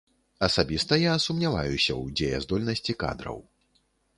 Асабіста я сумняваюся ў дзеяздольнасці кадраў.